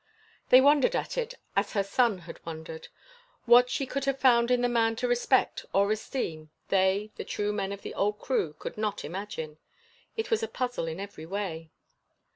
They wondered at it, as her son had wondered. What she could have found in the man to respect or esteem they the true men of the old crew could not imagine. It was a puzzle in every way.